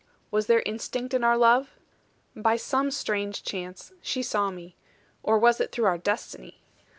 Was there instinct in our love? By some strange chance she saw me. Or was it through our destiny?